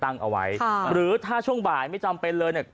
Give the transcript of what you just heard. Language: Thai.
เอาไว้ค่ะหรือถ้าช่วงบ่ายไม่จำเป็นเลยเนี่ย